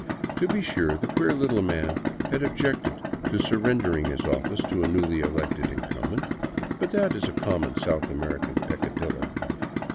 To be sure, the queer little man had objected to surrendering his office to a newly elected incumbent; but that is a common South American peccadillo.